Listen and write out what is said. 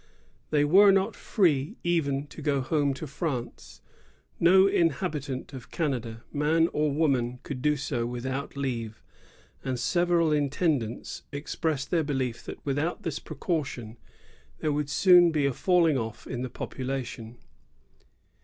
They were not free even to go home to France. No inhabitant of Canada, man or woman, could do so without leave ; and several intendante express their belief that with out this precaution there would soon be a falling off in the population.